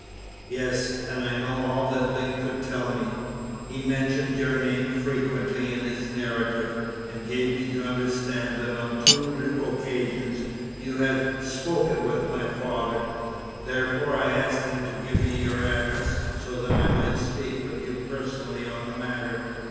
"Yes, and I know all that Link could tell me. He mentioned your name frequently in his narrative, and gave me to understand that on two occasions you had spoken with my father; therefore, I asked him to give me your address, so that I might speak with you personally on the matter."